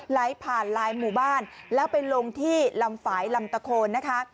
ไหลผ่านหลายหมู่บ้านแล้วไปลงที่ลำฝ่ายลำตะโคนนะคะ